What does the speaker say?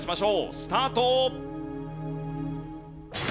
スタート！